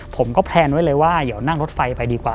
ผมก็แพลนไว้เลยว่าเดี๋ยวนั่งรถไฟไปดีกว่า